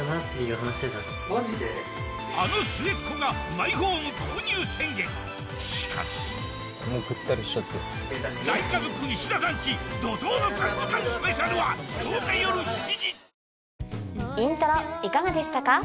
あの末っ子がマイホーム購入宣言しかし『大家族石田さんチ』怒濤の３時間スペシャルは１０日夜７時イントロいかがでしたか？